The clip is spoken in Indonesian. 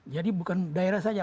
jadi bukan daerah saja